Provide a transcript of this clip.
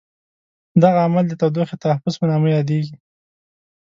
دغه عمل د تودوخې تحفظ په نامه یادیږي.